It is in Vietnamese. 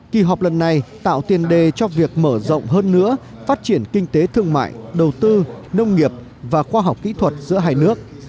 kỳ họp lần này tạo tiền đề cho việc mở rộng hơn nữa phát triển kinh tế thương mại đầu tư nông nghiệp và khoa học kỹ thuật giữa hai nước